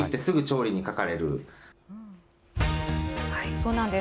そうなんです。